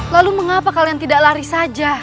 lalu mengapa kalian tidak lari saja